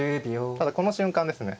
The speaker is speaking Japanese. ただこの瞬間ですね。